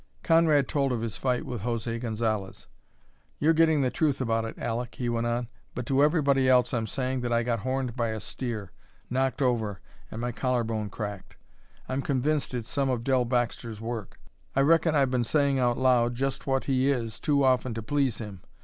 Conrad told of his fight with José Gonzalez. "You're getting the truth about it, Aleck," he went on; "but to everybody else I'm saying that I got horned by a steer, knocked over, and my collar bone cracked. I'm convinced it's some of Dell Baxter's work. I reckon I've been saying out loud just what he is too often to please him.